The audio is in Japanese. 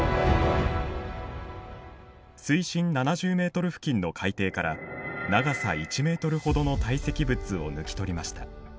水深７０メートル付近の海底から長さ１メートルほどの堆積物を抜き取りました。